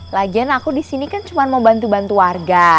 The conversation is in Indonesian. lagian aku disini kan cuma mau bantu bantu warga